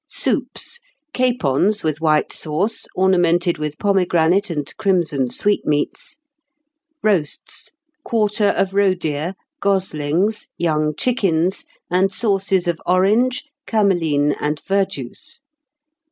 '" "Soups. Capons with white sauce, ornamented with pomegranate and crimson sweetmeats. "Roasts. Quarter of roe deer, goslings, young chickens, and sauces of orange, cameline, and verjuice.